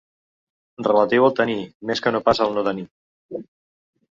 Relatiu al taní, més que no pas al no taní.